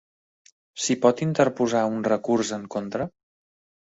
S'hi pot interposar un recurs en contra?